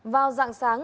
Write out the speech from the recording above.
vào dạng sáng